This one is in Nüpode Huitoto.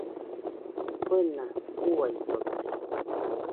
Kuena uaidote.